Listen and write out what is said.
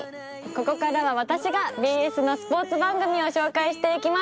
ここからは私がＢＳのスポーツ番組を紹介していきます。